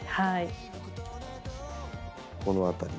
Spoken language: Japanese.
この辺り。